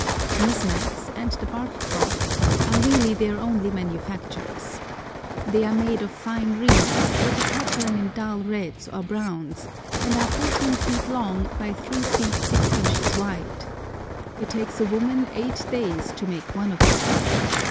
These mats and the bark cloth are really their only manufactures. They are made of fine reeds, with a pattern in dull reds or browns, and are 14 feet long by 3 feet 6 inches wide. It takes a woman eight days to make one of them.